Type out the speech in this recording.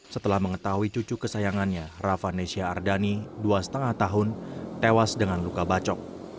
setelah mengetahui cucu kesayangannya rafa nesya ardani dua lima tahun tewas dengan luka bacok